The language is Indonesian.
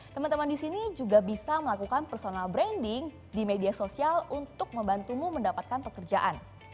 teman teman di sini juga bisa melakukan personal branding di media sosial untuk membantumu mendapatkan pekerjaan